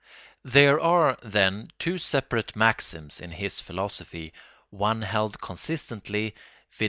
There are, then, two separate maxims in his philosophy, one held consistently, viz.